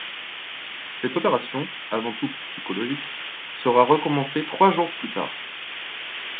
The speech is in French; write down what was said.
Cette opération, avant tout psychologique, sera recommencée trois jours plus tard.